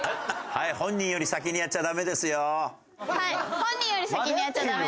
はい本人より先にやっちゃダメですからね。